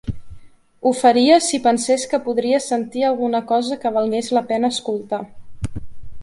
Ho faria si pensés que podria sentir alguna cosa que valgués la pena escoltar.